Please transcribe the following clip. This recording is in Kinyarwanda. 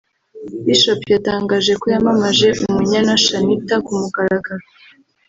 Bishop yatangaje ko yamamaje Umunyana Shanitah ku mugaragaro